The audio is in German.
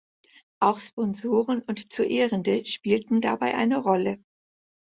Auch Sponsoren oder zu Ehrende spielten dabei eine Rolle.